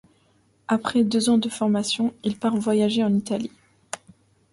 Après deux ans de formation, il part voyager en Italie.